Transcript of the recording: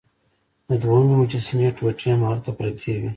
د دوهمې مجسمې ټوټې هم هلته پرتې وې.